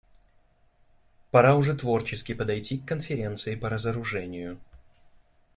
Пора уже творчески подойти к Конференции по разоружению.